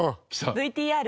ＶＴＲ。